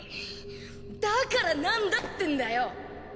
だからなんだってんだよ！？